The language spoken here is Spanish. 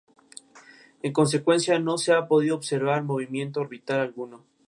En consecuencia, no se ha podido observar movimiento orbital alguno.